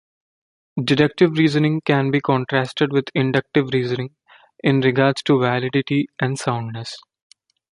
Deductive reasoning can be contrasted with inductive reasoning, in regards to validity and soundness.